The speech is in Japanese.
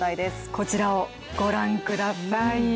こちらをご覧ください。